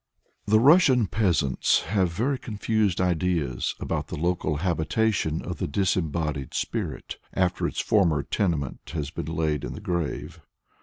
The Russian peasants have very confused ideas about the local habitation of the disembodied spirit, after its former tenement has been laid in the grave.